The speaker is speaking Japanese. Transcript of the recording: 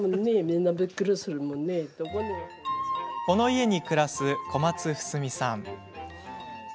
この家に暮らす小松フスミさん。